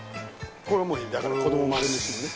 これはもうだから子ども丸無視よね。